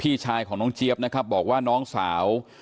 ชายของน้องเจี๊ยบนะครับบอกว่าน้องสาว